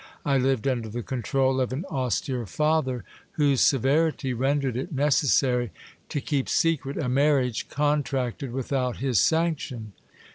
I lived under the control of an austere father, whose severity rendered it necessary to keep secret a marriage contracted without his sanction.